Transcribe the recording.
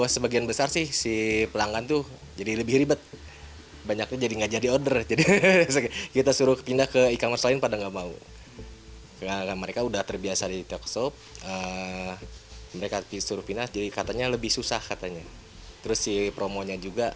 sebenarnya juga kurang kalau di tempat lain